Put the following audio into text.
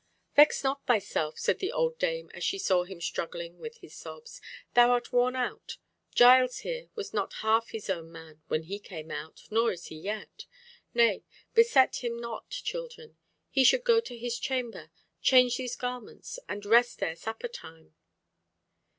"Vex not thyself," said the old dame, as she saw him struggling with his sobs. "Thou art worn out—Giles here was not half his own man when he came out, nor is he yet. Nay, beset him not, children. He should go to his chamber, change these garments, and rest ere supper time."